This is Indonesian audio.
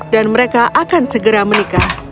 dan mereka akan segera menikah